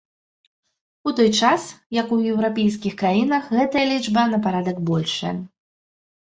У той час, як у еўрапейскіх краінах гэтая лічба на парадак большая.